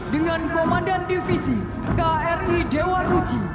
dengan komandan divisi kri dewa ruci